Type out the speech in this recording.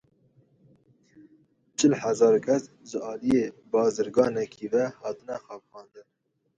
Çil hezar kes ji aliyê bazirganekî ve hatine xapandin.